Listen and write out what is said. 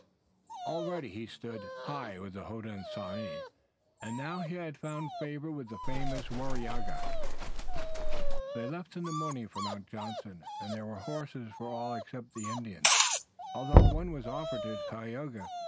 Already he stood high with the Hodenosaunee, and now he had found favor with the famous Waraiyageh. They left in the morning for Mount Johnson, and there were horses for all except the Indians, although one was offered to Tayoga.